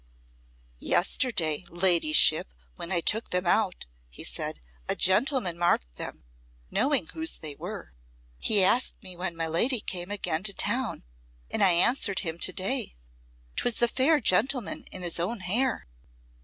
"Yesterday, ladyship, when I took them out," he said, "a gentleman marked them, knowing whose they were. He asked me when my lady came again to town, and I answered him to day. 'Twas the fair gentleman in his own hair."